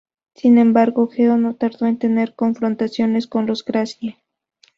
Sin embargo, Geo no tardó en tener confrontaciones con los Gracie.